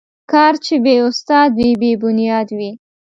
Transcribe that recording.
کار چې بې استاد وي، بې بنیاد وي.